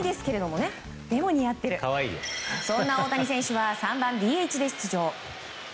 そんな大谷選手は３番ＤＨで出場。